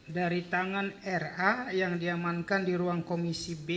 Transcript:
dari tangan ra yang diamankan di ruang komisi b